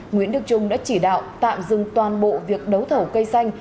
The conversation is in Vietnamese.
nguyễn đức trung đã chỉ đạo tạm dừng toàn bộ việc đấu thầu cây xanh